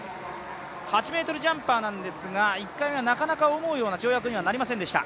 ８ｍジャンパーなんですが、１回目はなかなか思うような跳躍になりませんでした。